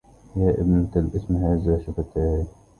يا ابنة الإثم هذه شفتايا